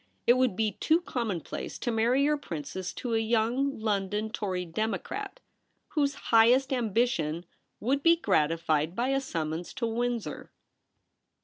It would be too commonplace to marry your princess to a young London Tory Democrat whose highest ambition would be gratified by a summons to Windsor.'